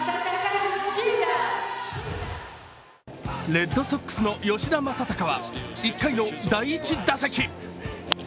レッドソックスの吉田正尚は１回の第１打席。